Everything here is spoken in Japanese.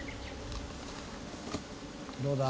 「どうだ？」